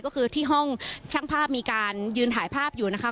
ก็คือที่ห้องช่างภาพมีการยืนถ่ายภาพอยู่นะคะ